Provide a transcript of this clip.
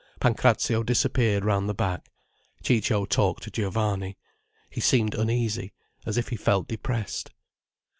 Pancrazio disappeared round the back. Ciccio talked to Giovanni. He seemed uneasy, as if he felt depressed.